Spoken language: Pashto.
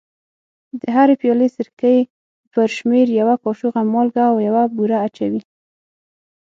د هرې پیالې سرکې پر شمېر یوه کاشوغه مالګه او یوه بوره اچوي.